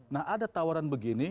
nah ada tawaran begini